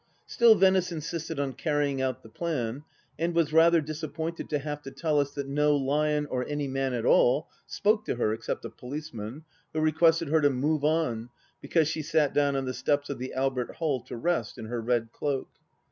Still, Venice insisted on carrying out the plan, and was rather disappointed to have to tell us that no lion, or any man at all spoke to her, except a policeman, who requested her to move on, because she sat down on the steps of the Albert Hall to rest, in her red cloak.